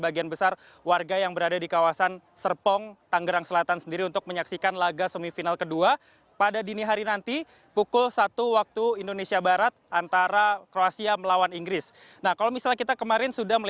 di kawasan san berserpong tanggerang selatan mulai rabu malam